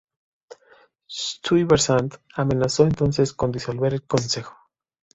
Stuyvesant amenazó entonces con disolver el consejo.